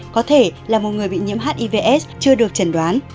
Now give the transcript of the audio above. có thể là một người bị nhiễm hivs chưa được chẩn đoán